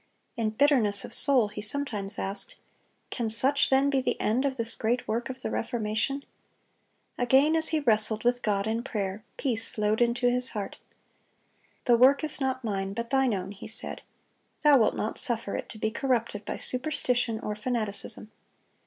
In bitterness of soul he sometimes asked, "Can such then be the end of this great work of the Reformation?"(270) Again, as he wrestled with God in prayer, peace flowed into his heart. "The work is not mine, but Thine own," he said; "Thou wilt not suffer it to be corrupted by superstition or fanaticism."